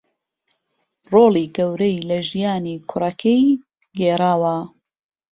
رۆڵی گەورەی لە ژیانی کوڕەکەی گێڕاوە